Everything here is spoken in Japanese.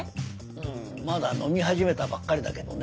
うんまだ飲み始めたばっかりだけどね。